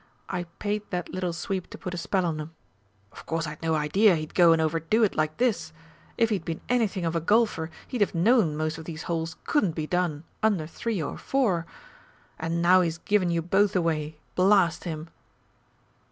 I paid that little sweep to put a spell on 'em. Of course I'd no idea he'd go and overdo it like this. If he'd been anything of a Golfer he'd have known most of these holes couldn't be done under three or four. And now he's given you both away, blast him!"